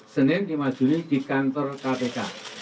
senin lima juli di kantor kpk